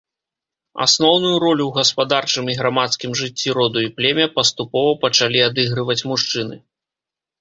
Асноўную ролю ў гаспадарчым і грамадскім жыцці роду і племя паступова пачалі адыгрываць мужчыны.